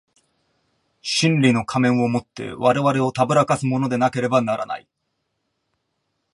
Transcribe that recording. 真理の仮面を以て我々を誑かすものでなければならない。